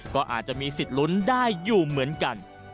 ก็อาจจะมีสิทธิ์ลุ้นได้อยู่เหมือนกัน